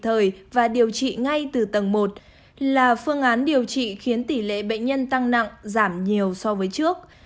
tầng một là phương án điều trị khiến tỷ lệ bệnh nhân tăng nặng giảm nhiều so với trước